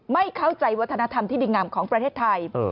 ไม่เข้าใจวัฒนธรรมที่ดีงามของประเทศไทย